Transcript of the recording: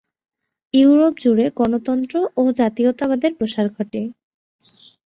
Europe জুড়ে গণতন্ত্র ও জাতীয়তাবাদের প্রসার ঘটে।